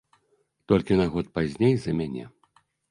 Толькі на год пазней за мяне.